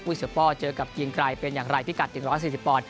เสือป้อเจอกับเกียงไกรเป็นอย่างไรพิกัด๑๔๐ปอนด